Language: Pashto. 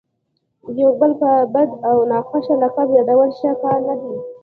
یو بل په بد او ناخوښه لقب یادول ښه کار نه دئ.